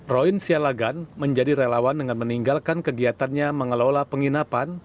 roin sialagan menjadi relawan dengan meninggalkan kegiatannya mengelola penginapan